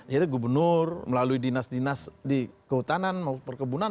jadi gubernur melalui dinas dinas di kehutanan perkebunan